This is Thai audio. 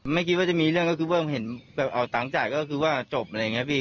ไม่คิดว่าจะมีเรื่องก็คือเพิ่งเห็นแบบเอาตังค์จ่ายก็คือว่าจบอะไรอย่างนี้พี่